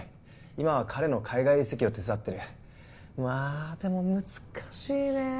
今は彼の海外移籍を手伝ってるまあでも難しいねえ